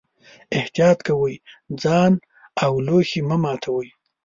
احتیاط کوئ، ځان او لوښي مه ماتوئ.